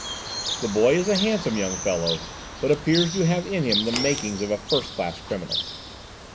The boy is a handsome young fellow, but appears to have in him the makings of a first class criminal.